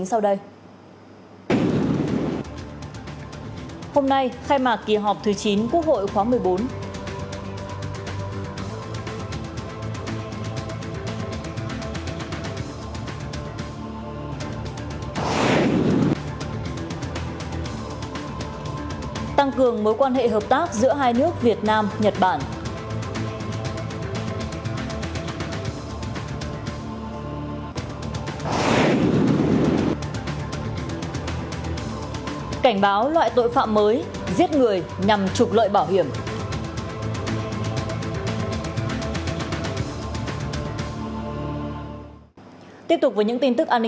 hãy đăng ký kênh để ủng hộ kênh của chúng mình nhé